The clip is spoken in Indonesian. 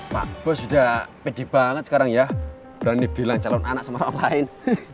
pak bos sudah pede banget sekarang ya berani bilang calon anak sama orang lain